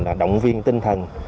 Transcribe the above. nhằm động viên tinh thần